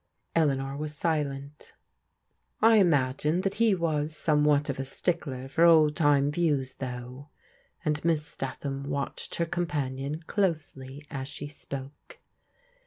*' Eleanor was silent "I imagine that he was somewhat of a stickler for old time views, though?" and Miss Statham watched her companion closely as she spoke.